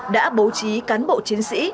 đã bố trí cán bộ chiến sĩ